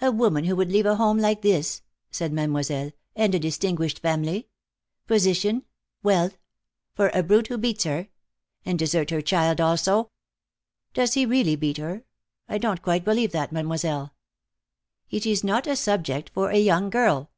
"A woman who would leave a home like this," said Mademoiselle, "and a distinguished family. Position. Wealth. For a brute who beats her. And desert her child also!" "Does he really beat her? I don't quite believe that, Mademoiselle." "It is not a subject for a young girl."